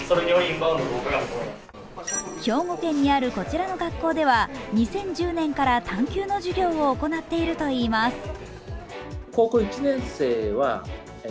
兵庫県にあるこちらの学校では２０１０年から探究の授業を行っているといいます。